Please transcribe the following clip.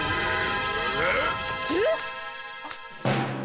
えっ？